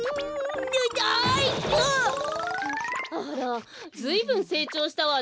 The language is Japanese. あらずいぶんせいちょうしたわね。